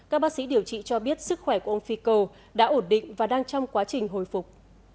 các bác sĩ điều trị cho biết sức khỏe của ông fico đã ổn định và đang trong quá trình hồi phục